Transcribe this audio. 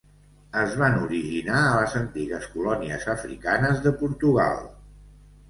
Es van originar a les antigues colònies africanes de Portugal.